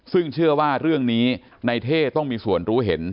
ซึ่งเชื่อว่าเรื่องนี้ในเท่ต้องมีส่วนรู้เห็น